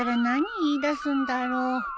何言いだすんだろう